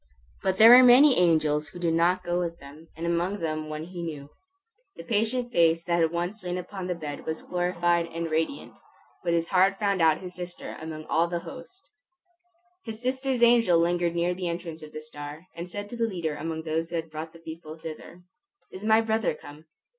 But there were many angels who did not go with them, and among them one he knew. The patient face that once had lain upon the bed was glorified and radiant, but his heart found out his sister among all the host. His sister's angel lingered near the entrance of the star, and said to the leader among those who had brought the people thither, "Is my brother come?"